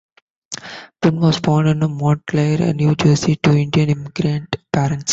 Penn was born in Montclair, New Jersey, to Indian immigrant parents.